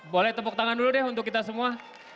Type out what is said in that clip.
boleh tepuk tangan dulu deh untuk kita semua